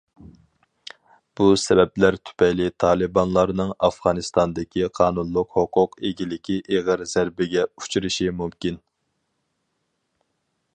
بۇ سەۋەبلەر تۈپەيلى تالىبانلارنىڭ ئافغانىستاندىكى قانۇنلۇق ھوقۇق ئىگىلىكى ئېغىر زەربىگە ئۇچرىشى مۇمكىن.